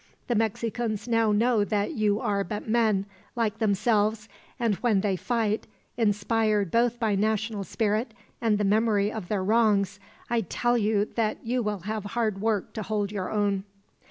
The Mexicans now know that you are but men, like themselves; and when they fight, inspired both by national spirit and the memory of their wrongs, I tell you that you will have hard work to hold your own."